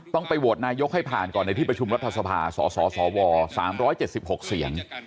ต้องไปโหวตนายกให้ผ่านก่อนในที่ประชุมรัฐสภาสสว๓๗๖เสียง